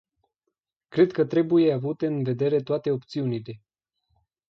Cred că trebuie avute în vedere toate opțiunile.